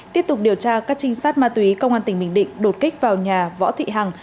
tiếp tục điều tra các trinh sát ma túy công an tỉnh bình định đột kích vào nhà võ thị hằng